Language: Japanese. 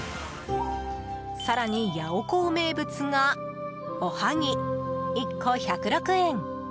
更に、ヤオコー名物がおはぎ、１個１０６円。